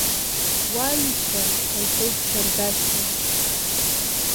Уалишьа, — лҳәеит Шьардасиа.